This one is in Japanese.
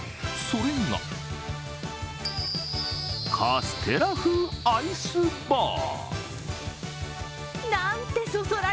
それがカステラ風アイスバー。